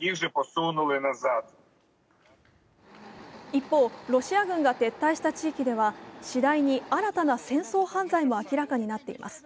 一方、ロシア軍が撤退した地域では次第に新たな戦争犯罪も明らかになっています。